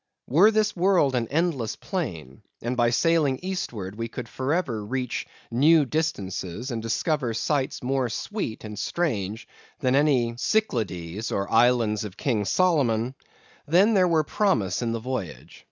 Were this world an endless plain, and by sailing eastward we could for ever reach new distances, and discover sights more sweet and strange than any Cyclades or Islands of King Solomon, then there were promise in the voyage.